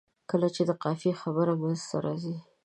کله چې د قافیې خبره منځته راځي.